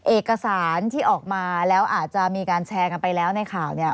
เอกสารที่ออกมาแล้วอาจจะมีการแชร์กันไปแล้วในข่าวเนี่ย